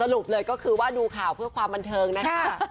สรุปเลยก็คือว่าดูข่าวเพื่อความบันเทิงนะคะ